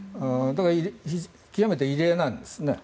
極めて異例なんですね。